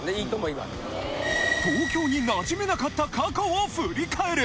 東京に馴染めなかった過去を振り返る！